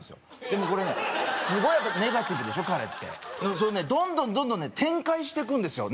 でもこれねすごいネガティブでしょ彼ってどんどんどんどんね展開してくんですよ